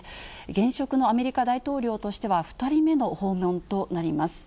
現職のアメリカ大統領としては２人目の訪問となります。